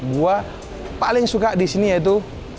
gue paling suka di sini yaitu